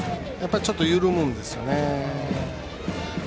ちょっと緩むんですね。